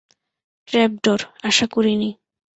Trapdoor, আশা করিনি।